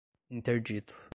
interdito